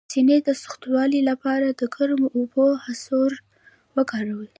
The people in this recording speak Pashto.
د سینې د سختوالي لپاره د ګرمو اوبو کڅوړه وکاروئ